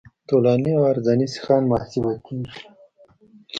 طولاني او عرضاني سیخان محاسبه کیږي